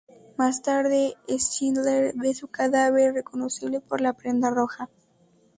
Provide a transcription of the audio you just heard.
Más tarde Schindler ve su cadáver, reconocible por la prenda roja.